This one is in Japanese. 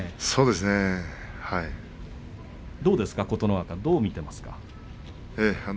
どうですか、琴ノ若どう見ていますか？